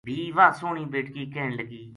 بھی واہ سوہنی بیٹکی کہن لگی